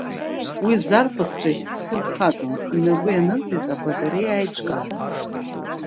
Уи зарԥысра иҭысхьаз хаҵан, инапы ианырҵеит абатареиа аиҿкаара.